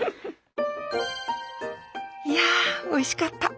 いやおいしかった。